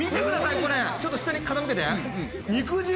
これ、ちょっと下に傾けて。